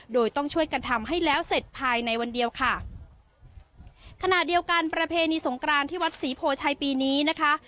โดยต้องช่วยกันทำให้แล้วเสร็จภายในวันเดียวค่ะขณะเดียวกันประเพณีสงกรานที่วัดศรีโพชัยปีนี้นะคะ